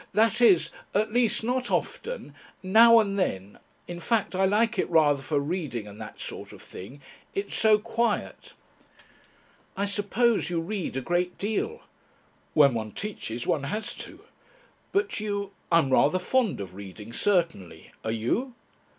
That is At least not often. Now and then. In fact, I like it rather for reading and that sort of thing. It's so quiet." "I suppose you read a great deal?" "When one teaches one has to." "But you ..." "I'm rather fond of reading, certainly. Are you?"